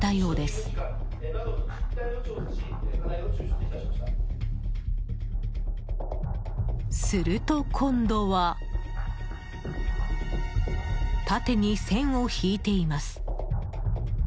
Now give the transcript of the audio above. すると今度は縦に線を引いています。